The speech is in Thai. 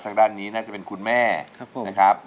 ทางด้านนี้น่าจะเป็นคุณแม่นะครับ